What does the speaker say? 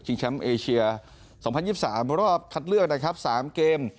แชมป์เอเชีย๒๐๒๓รอบคัดเลือกนะครับ๓เกม